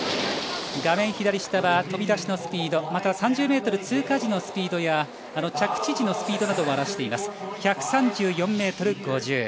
画面左下は飛び出しのスピード３０ｍ通過時のスピードや着地時のスピードなどを表しています。